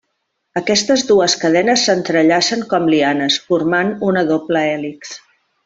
Aquestes dues cadenes s'entrellacen com lianes, formant una doble hèlix.